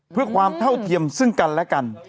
เพื่อความเท่าเทียมซึ่งกันและกัน